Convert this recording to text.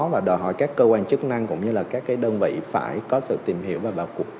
và đòi hỏi các cơ quan chức năng cũng như là các cái đơn vị phải có sự tìm hiểu và bảo cục